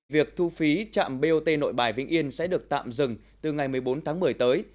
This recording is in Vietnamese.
việc thu phí trạm bot nội bài vĩnh yên sẽ được tạm dừng từ ngày một mươi bốn tháng một mươi tới